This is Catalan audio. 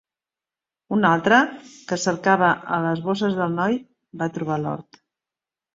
Un altre, que cercava a les bosses del noi, va trobar l'or.